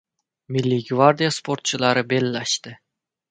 Milliy gvardiya sportchilari bellashdi